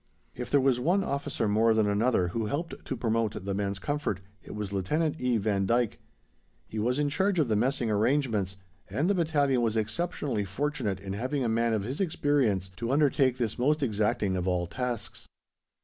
If there was one officer more than another who helped to promote the men's comfort, it was Lieut. E. Vandyk. He was in charge of the messing arrangements, and the Battalion was exceptionally fortunate in having a man of his experience to undertake this most exacting of all tasks.